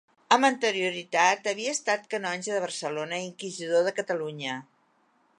Amb anterioritat havia estat canonge de Barcelona i inquisidor de Catalunya.